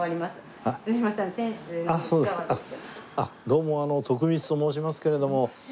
どうも徳光と申しますけれども。